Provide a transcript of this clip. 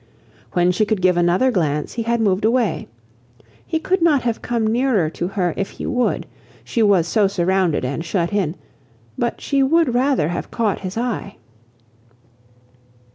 When she could give another glance, he had moved away. He could not have come nearer to her if he would; she was so surrounded and shut in: but she would rather have caught his eye.